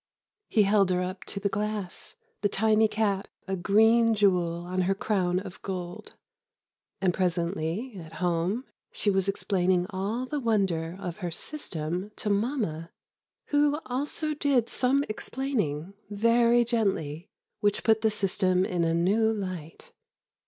He held her up to the glass, the tiny cap a green jewel on her crown of gold. And presently at home she was explaining all the wonder of her system to Mama, who also did some explaining, very gently, which put the system in a new light.